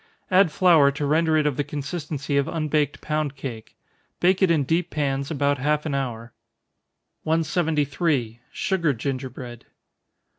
Add flour to render it of the consistency of unbaked pound cake. Bake it in deep pans about half an hour. 173. _Sugar Gingerbread.